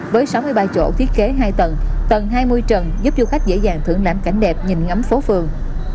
với sáu mươi ba chỗ thiết kế hai tầng tầng hai mươi trần giúp du khách dễ dàng thưởng lãm cảnh đẹp nhìn ngắm phố phường